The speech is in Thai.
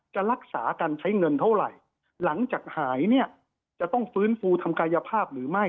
จะรักษาการใช้เงินเท่าไหร่หลังจากหายเนี่ยจะต้องฟื้นฟูทำกายภาพหรือไม่